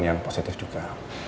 yang positif juga